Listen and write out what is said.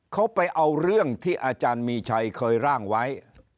เขาไปเอาเรื่องที่อาจารย์มีชัยเคยร่างไว้